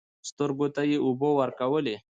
سترګو ته يې اوبه ورکولې .